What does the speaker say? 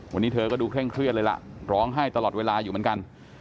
วันนี้เธอก็ดูเคร่งเครียดเลยล่ะร้องไห้ตลอดเวลาอยู่เหมือนกัน